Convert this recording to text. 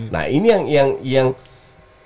nah ini yang kita butuh adalah